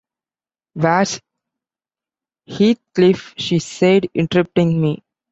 ‘Where’s Heathcliff?’ she said, interrupting me.